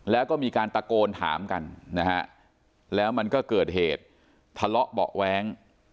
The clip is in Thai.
แล้วก็มีการตะโกนถามกันนะฮะแล้วมันก็เกิดเหตุทะเลาะเบาะแว้ง